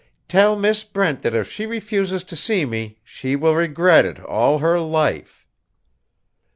"Tell Miss Brent that if she refuses to see me she will regret it all her life."